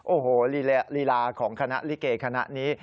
โอ้โหลีลาของคณะลิเกคณะนี้